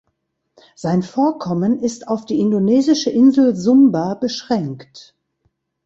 Sein Vorkommen ist auf die indonesische Insel Sumba beschränkt.